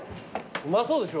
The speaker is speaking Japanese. うまそうでしょ。